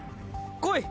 来い！